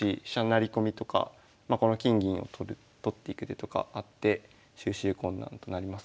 成り込みとかこの金銀を取る取っていく手とかあって収拾困難となります。